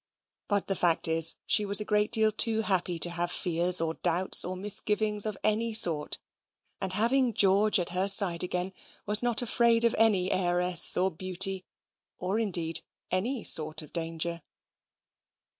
But the fact is, she was a great deal too happy to have fears or doubts or misgivings of any sort: and having George at her side again, was not afraid of any heiress or beauty, or indeed of any sort of danger.